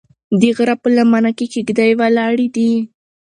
د غره په لمنه کې کيږدۍ ولاړې دي.